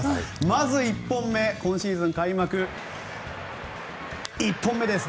まず１本目今シーズン開幕１本目です。